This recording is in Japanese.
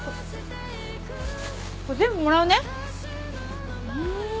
これ全部もらうね。